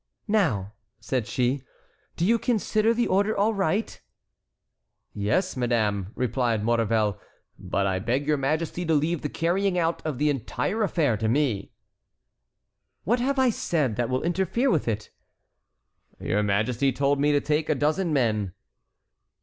"Now," said she, "do you consider the order all right?" "Yes, madame," replied Maurevel; "but I beg your majesty to leave the carrying out of the entire affair to me." "What have I said that will interfere with it?" "Your majesty told me to take a dozen men."